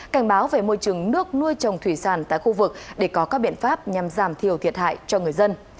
cảnh báo về môi trường nước nuôi trồng thủy sản tại khu vực để có các biện pháp nhằm giảm thiểu thiệt hại cho người dân